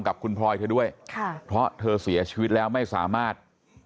กับคุณพลอยเธอด้วยค่ะเพราะเธอเสียชีวิตแล้วไม่สามารถ